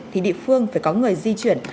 thì địa phương phải có người di chuyển